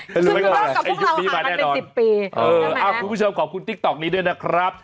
จูด้องกับพวกเราหากันเป็น๑๐ปีเออคุณผู้ชมขอบคุณติ๊กต๊อกนี้ด้วยนะครับ